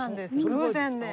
偶然で。